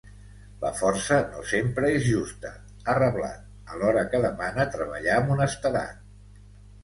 La força no sempre és justa, ha reblat, alhora que demana treballar amb honestedat.